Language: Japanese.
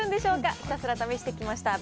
まずはひたすら試してきました。